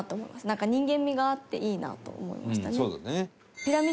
なんか人間味があっていいなと思いましたね。